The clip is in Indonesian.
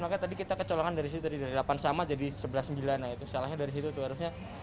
maka tadi kita kecolokan dari situ dari delapan sama jadi sebelas sembilan itu salahnya dari situ itu harusnya